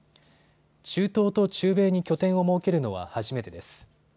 中東と中米に拠点を設けるのは初めてです。